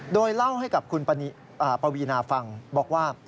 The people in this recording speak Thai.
โดยเล่าให้กับคุณปวีนาฟังบอกว่า